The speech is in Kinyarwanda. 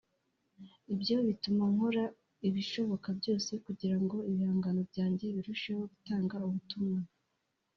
ibyo bituma nkora ibishoboka byose kugira ngo ibihangano byanjye birusheho gutanga ubutumwa